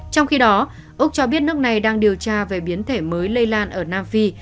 trong khi đó úc cho biết nước này đang điều tra về biến thể mới lây lan ở nam phi